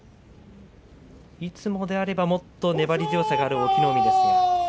いつもですともっと粘り強さがある隠岐の海です。